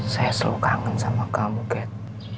saya selalu kangen sama kamu ket